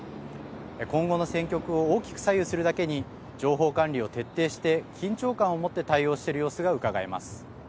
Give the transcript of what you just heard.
今後の戦局を大きく左右するだけに情報管理を徹底して緊張感を持って対応している様子がうかがえます。